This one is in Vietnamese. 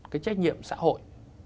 cái trách nhiệm xã hội